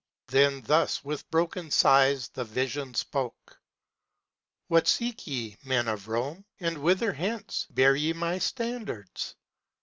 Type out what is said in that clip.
Then thus, with broken sighs the Vision spake: "What seek ye, men of Rome? and whither hence Bear ye my standards?